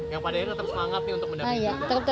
yang padanya tetap semangat untuk mendapatkan